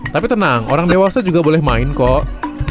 tapi tenang orang dewasa juga boleh main kok